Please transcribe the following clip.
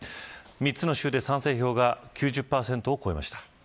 ３つの州で賛成票が９０％を超えました。